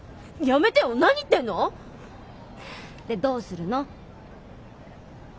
やめてよ何言ってんの？でどうするの？